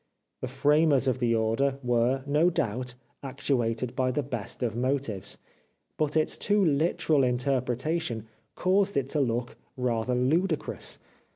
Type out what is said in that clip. The framers of the order were, no doubt, actuated by the best of motives, but its too literal interpretation caused it to look rather ludicrous.